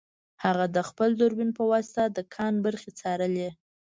هغه د خپل دوربین په واسطه د کان برخې څارلې